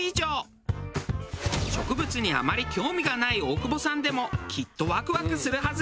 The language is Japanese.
植物にあまり興味がない大久保さんでもきっとワクワクするはず。